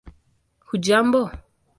hujambo